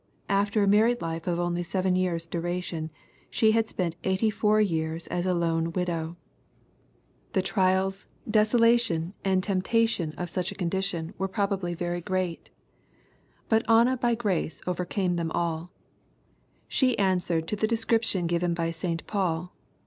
After a married life of only seven years' duration, she had spent eighty four years as a lone widow. The trials, desola tion, and temptation of such a condition were probably LUKE, CHAP. n. 73 very great. But Anna by grace overcame them alL She answered to the description given by St. Paul.